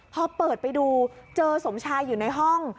พอเปิดไปดูเจอสมชายอยู่ในห้อง